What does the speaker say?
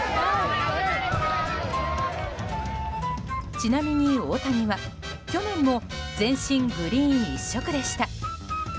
ちなみに大谷は去年も全身グリーン一色でした。